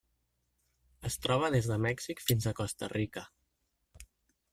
Es troba des de Mèxic fins a Costa Rica.